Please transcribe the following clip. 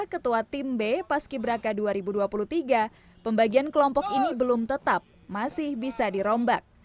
ketua tim b paski braka dua ribu dua puluh tiga pembagian kelompok ini belum tetap masih bisa dirombak